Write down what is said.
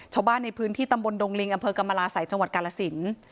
ชาวบ้านในพื้นที่ตำบลดงลิงอำเภอกรรมราศัยจังหวัดกาลสิน